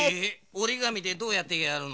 おりがみでどうやってやるの？